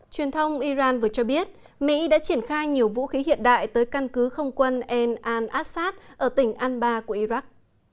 truyền thông iran vừa cho biết mỹ đã triển khai nhiều vũ khí hiện đại tới căn cứ không quân al assad ở tỉnh alba của iraq